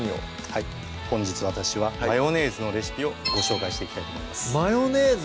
はい本日私はマヨネーズのレシピをご紹介していきたいと思いますマヨネーズ！